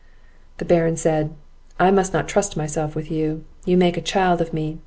The Baron said, "I must not trust myself with you, you make a child of me.